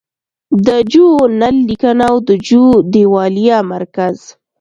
د جو نل لیکنه او د جو دیوالیه مرکز